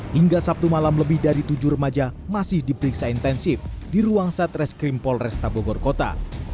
hingga sabtu malam lebih dari tujuh remaja masih diperiksa intensif di ruang satreskrim polresta bogor kota